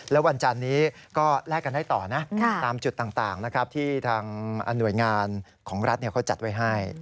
แล้ววันจันนี้ก็แลกกันได้ต่อนะตามจุดต่างนะครับที่ทางหน่วยงานของรัฐเขาจัดไว้ให้